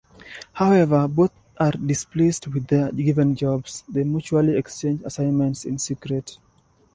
However, both are displeased with their given jobs; they mutually exchange assignments in secret.